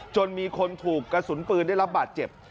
จนมีคนถูกกระสุนปืนได้รับบาดเจ็บ